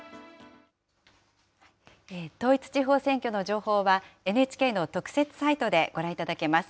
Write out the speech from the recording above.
統一地方選挙の情報はＮＨＫの特設サイトでご覧いただけます。